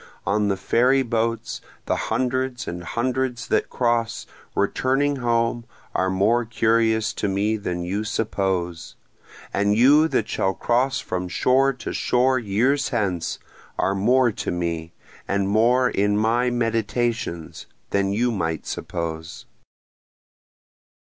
On the ferry boats the hundreds and hundreds that cross, returning home, are more curious to me than you suppose, And you that shall cross from shore to shore years hence are more to me, and more in my meditations, than you might suppose.